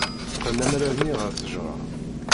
Qqen amrar-nni ɣer ttejra.